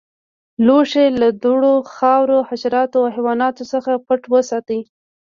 لوښي له دوړو، خاورو، حشراتو او حیواناتو څخه پټ وساتئ.